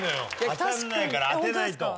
当たんないから当てないと。